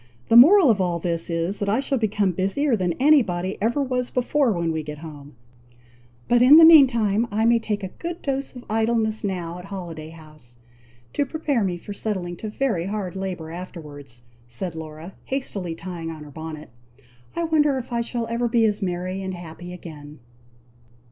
the moral of all this is, that I shall become busier than any body ever was before, when we get home; but in the meantime, I may take a good dose of idleness now at Holiday House, to prepare me for settling to very hard labour afterwards," said Laura, hastily tying on her bonnet. "I wonder if I shall ever be as merry and happy again!"